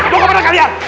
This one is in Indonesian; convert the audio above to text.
bawa kemana kalian